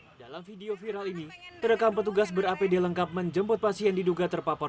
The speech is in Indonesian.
hai dalam video viral ini terekam petugas ber apd lengkap menjemput pasien diduga terpapar